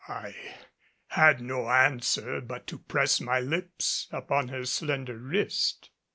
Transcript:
I had no answer but to press my lips upon her slender wrist.